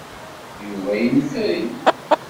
Yuba infel.